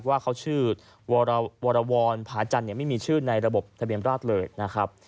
ว่าเขาชื่อวรวรผาจันทร์ไม่มีชื่อในระบบทะเบียนราชเลยนะครับ